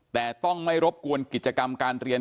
แต่ต้องไม่รบกวนกิจกรรมการเรียน